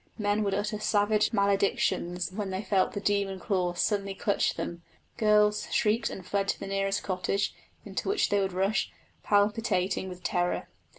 Men would utter savage maledictions when they felt the demon claws suddenly clutch them; girls shrieked and fled to the nearest cottage, into which they would rush, palpitating with terror.